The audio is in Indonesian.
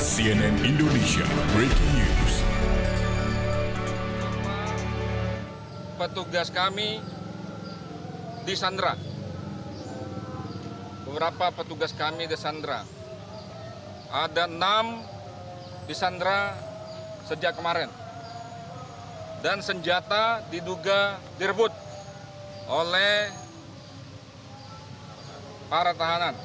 cnn indonesia breaking news